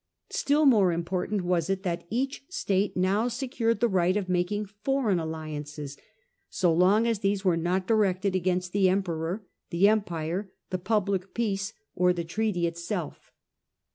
Still more important was it that each State now secured the right of making foreign alli ances, so long as these were not directed against the Emperor, the Empire, the public peace, or the treaty French itself.